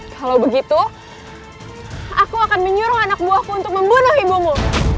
kalau begitu aku akan menyuruh anak buahku untuk membunuh ibumu